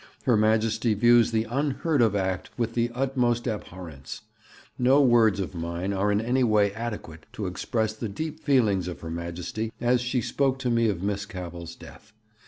Her Majesty views the unheard of act with the utmost abhorrence; no words of mine are in any way adequate to express the deep feelings of Her Majesty as she spoke to me of Miss Cavell's death.